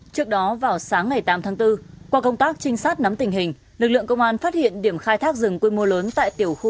trước đó vào sáng ngày tám tháng bốn qua công tác trinh sát nắm tình hình lực lượng công an phát hiện điểm khai thác rừng quý vị